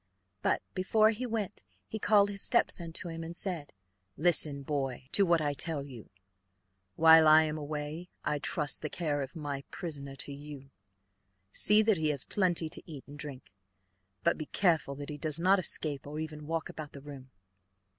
But before he went he called his stepson to him and said: "Listen, boy, to what I tell you. While I am away I trust the care of my prisoner to you. See that he has plenty to eat and drink, but be careful that he does not escape, or even walk about the room.